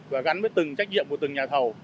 và gắn với từng trách nhiệm của từng nhà thầu